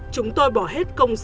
chúng tôi bỏ hết công doanh